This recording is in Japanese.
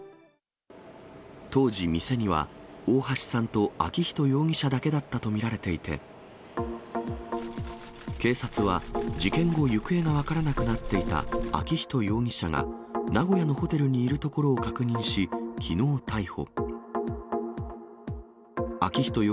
当時、店には大橋さんと昭仁容疑者だけだったと見られていて、警察は、事件後、行方が分からなくなっていた昭仁容疑者が、名古屋のホテルにいるところを確認し、きのう逮捕。